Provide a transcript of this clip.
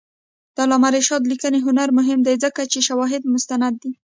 د علامه رشاد لیکنی هنر مهم دی ځکه چې شواهد مستند دي.